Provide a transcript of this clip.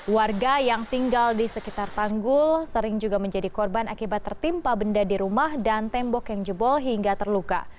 warga yang tinggal di sekitar tanggul sering juga menjadi korban akibat tertimpa benda di rumah dan tembok yang jebol hingga terluka